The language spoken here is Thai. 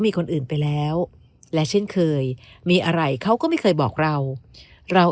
มีคนอื่นไปแล้วและเช่นเคยมีอะไรเขาก็ไม่เคยบอกเราเรา